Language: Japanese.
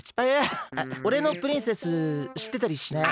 あっおれのプリンセスしってたりしない？